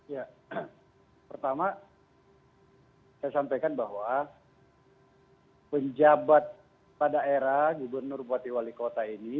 ya pertama saya sampaikan bahwa penjabat pada era gubernur bupati wali kota ini